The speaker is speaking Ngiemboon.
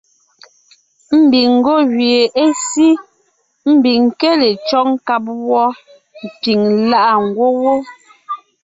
Ḿbiŋ ńgwɔ́ gẅie é sí, ḿbiŋ ńké le cÿɔ́g nkáb wɔ́, piŋ lá’a gwɔ̂ pɔ́ wó.